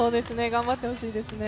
頑張ってほしいですね。